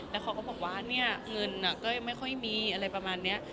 แล้วเขาก็บอกว่าเนี่ยเงินก็ไม่ค่อยมีอะไรประมาณนี้